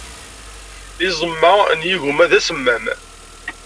Iẓem-a n yigumma d asemmam.